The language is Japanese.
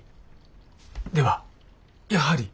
ではやはり？